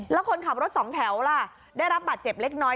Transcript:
แล้วคนขับรถสองแถวล่ะได้รับบาดเจ็บเล็กน้อย